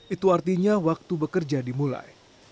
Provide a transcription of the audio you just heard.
itu artinya waktu bekerja dimulai